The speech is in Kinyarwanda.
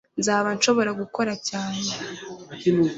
nzaba nshobora gukora cyane